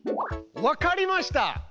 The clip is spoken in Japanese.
わかりました！